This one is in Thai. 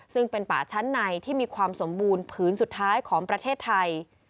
ซึ่งเป็นป่าชั้นในที่มีความสมบูรณ์ผืนสุดท้ายของประเทศไทย